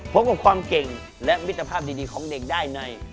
พบกับความเก่งและมิตรภาพดีของเด็กได้ใน